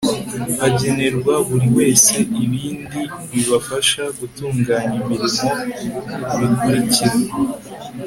bagenerwa buri wese ibindi bibafasha gutunganya imirimo bikurikira